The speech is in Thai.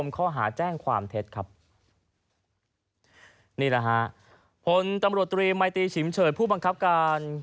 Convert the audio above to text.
ข้อหาแจ้งความเท็จครับนี่แหละฮะผลตำรวจตรีมัยตีฉิมเฉยผู้บังคับการ